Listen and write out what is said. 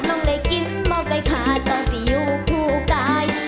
น้องได้กินมอเก้าขาดตอนปียูคูกาย